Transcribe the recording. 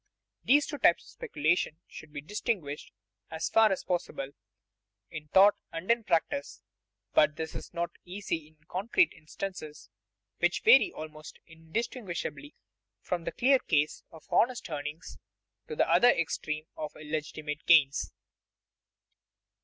These two types of speculation should be distinguished, as far as possible, in thought and in practice; but this it not easy in concrete instances, which vary almost indistinguishably from the clear case of honest earnings to the other extreme of illegitimate gains.